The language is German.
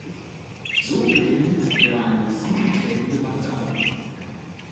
So beginnt er eine siebentägige Wanderung.